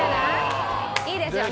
いいですよね？